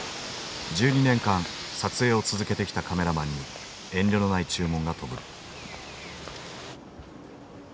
１２年間撮影を続けてきたカメラマンに遠慮のない注文が飛ぶ。